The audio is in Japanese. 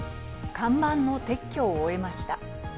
看板の撤去を終えました。